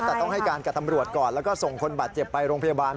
แต่ต้องให้การกับตำรวจก่อนแล้วก็ส่งคนบาดเจ็บไปโรงพยาบาล